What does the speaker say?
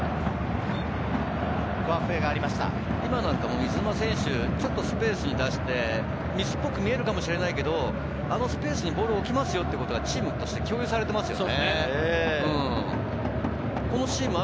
水沼選手、ちょっとスペースに出して、ミスっぽく見えるかもしれないけど、あのスペースにボールを置きますよということが、チームで共有されていますよね。